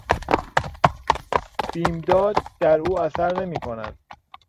بیمداد در او اثر نمیکند.